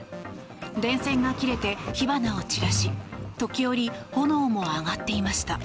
電線が切れて火花を散らし時折、炎も上がっていました。